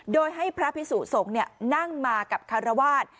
โดยให้พระพิสูจน์ส่งเนี่ยนั่งมากับคารวาส